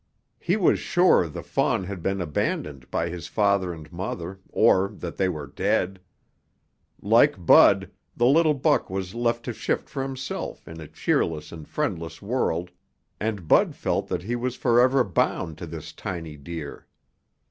He was sure the fawn had been abandoned by his father and mother or that they were dead. Like Bud, the little buck was left to shift for himself in a cheerless and friendless world, and Bud felt that he was forever bound to this tiny deer.